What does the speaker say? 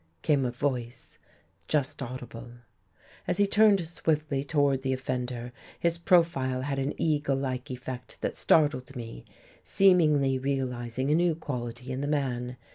came a voice, just audible. As he turned swiftly toward the offender his profile had an eagle like effect that startled me, seemingly realizing a new quality in the man.